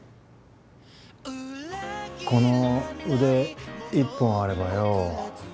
この腕一本あればよ